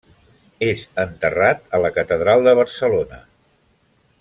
És enterrat a la Catedral de Barcelona.